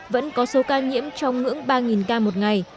vẫn có số ca nhiễm trong ngưỡng ba ca một ngày